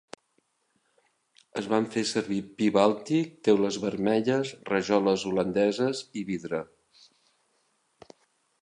Es van fer servir pi bàltic, teules vermelles, rajoles holandeses i vidre.